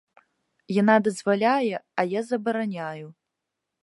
Яна дазваляе, а я забараняю.